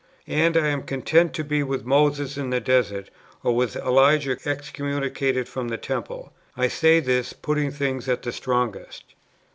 And I am content to be with Moses in the desert, or with Elijah excommunicated from the Temple. I say this, putting things at the strongest."